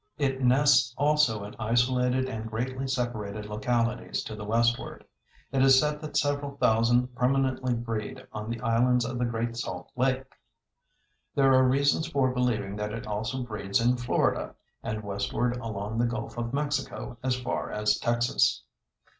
It nests also in isolated and greatly separated localities to the westward. It is said that several thousand permanently breed on the islands of the great Salt Lake. There are reasons for believing that it also breeds in Florida and westward along the Gulf of Mexico as far as Texas.